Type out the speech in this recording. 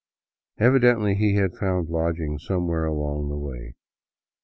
Evidently he had found lodging somewhere along the way.